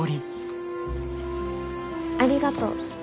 ありがとう。